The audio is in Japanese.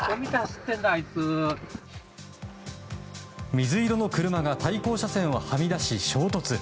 水色の車が対向車線をはみ出し、衝突。